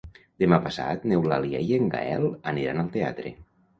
Demà passat n'Eulàlia i en Gaël aniran al teatre.